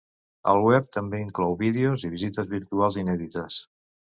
El web també inclou vídeos i visites virtuals inèdites.